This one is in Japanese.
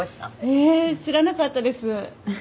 ええ知らなかったです。